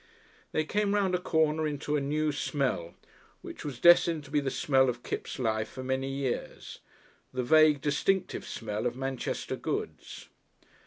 They came round a corner into a new smell, which was destined to be the smell of Kipps' life for many years, the vague, distinctive smell of Manchester goods.